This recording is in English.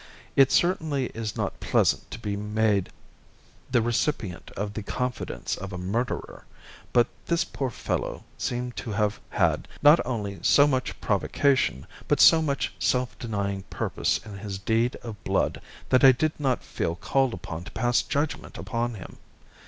It certainly is not pleasant to be made the recipient of the confidence of a murderer, but this poor fellow seemed to have had, not only so much provocation, but so much self denying purpose in his deed of blood that I did not feel called upon to pass judgment upon him.